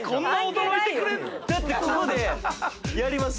だってここでやります？